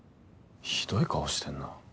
ひどい顔してんな。